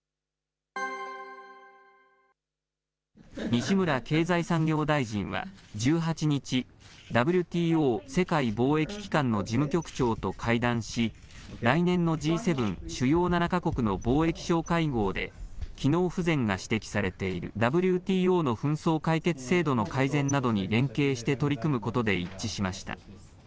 西村経済産業大臣は、１８日、ＷＴＯ・世界貿易機関の事務局長と会談し、来年のＧ７・主要７か国の貿易相会合で、機能不全が指摘されているＷＴＯの紛争解決制度の改善などに連携して取り組むことで一致しました。